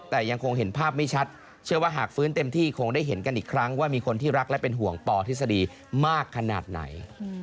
แต่ยังคงเห็นภาพไม่ชัดเชื่อว่าหากฟื้นเต็มที่คงได้เห็นกันอีกครั้งว่ามีคนที่รักและเป็นห่วงปอทฤษฎีมากขนาดไหน